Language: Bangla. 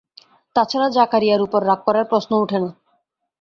তাছাড়া জাকারিয়ার উপর রাগ করার প্রশ্ন উঠে না।